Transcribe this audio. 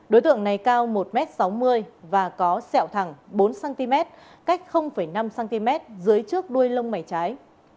đối tượng này cao một m sáu mươi và có sẹo thẳng bốn cm cách năm cm dưới trước đuôi lông mảy trái